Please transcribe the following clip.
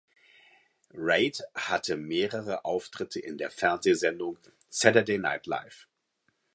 Reid hatte mehrere Auftritte in der Fernsehsendung "Saturday Night Live".